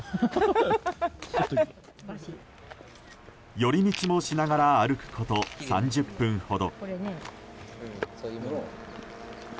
寄り道もしながら歩くこと３０分ほど。